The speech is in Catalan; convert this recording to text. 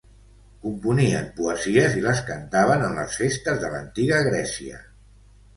Componien poesies i les cantaven en les festes de l'antiga Grècia.